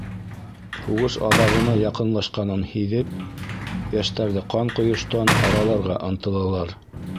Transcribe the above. Һуғыш аҙағына яҡынлашҡанын һиҙеп, йәштәрҙе ҡан ҡойоштан араларға ынтылалар.